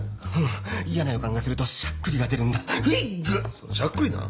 それしゃっくりなん？